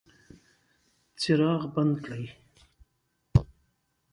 څراغ بند کړئ